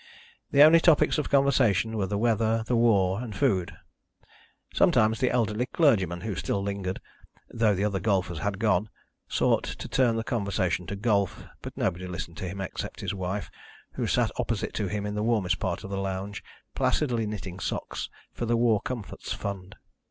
The only topics of conversation were the weather, the war, and food. Sometimes the elderly clergyman, who still lingered, though the other golfers had gone, sought to turn the conversation to golf, but nobody listened to him except his wife, who sat opposite to him in the warmest part of the lounge placidly knitting socks for the War Comforts Fund.